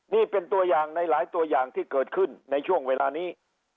นี่เป็นตัวอย่างในหลายตัวอย่างที่เกิดขึ้นในช่วงเวลานี้